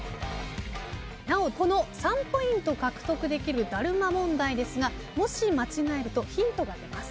なおこの３ポイント獲得できるダルマ問題ですがもし間違えるとヒントが出ます。